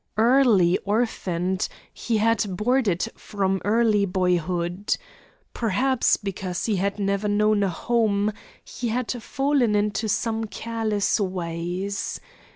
Early orphaned, he had boarded from early boyhood. Perhaps, because he had never known a home, he had fallen into some careless ways.